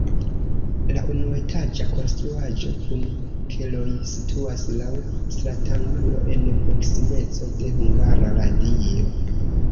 La unuetaĝa konstruaĵo kun keloj situas laŭ stratangulo en proksimeco de Hungara Radio.